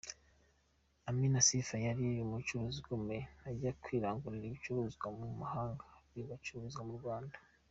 Amina Sifa yari umucuruzi ukomeye, ujya kwirangurira ibicuruzwa mu mahanga bigacururizwa mu Rwanda.